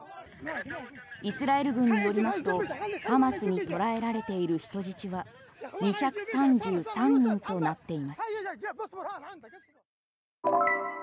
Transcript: イスラエル軍によりますとハマスに捕らえられている人質は２３３人となっています。